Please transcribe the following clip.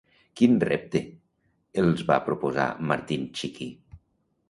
Quin repte els va proposar Martin Txiki?